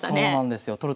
そうなんですよ。